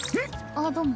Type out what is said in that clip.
あっども。